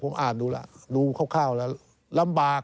ผมอ่านดูแล้วดูคร่าวแล้วลำบาก